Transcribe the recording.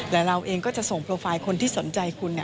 แต่เราเองก็จะส่งโปรไฟล์คนที่สนใจคุณ